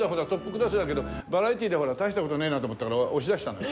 バラエティでは大した事ねえなと思ったから押し出したのよ。